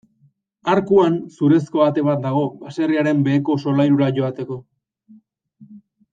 Arkuan, zurezko ate bat dago baserriaren beheko solairura joateko.